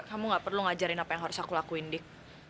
kamu gak perlu ngajarin apa yang harus aku lakuin di